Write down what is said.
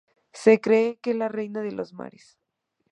Se cree que es la reina de los mares